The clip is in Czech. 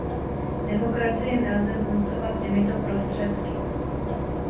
Demokracii nelze vnucovat těmito prostředky.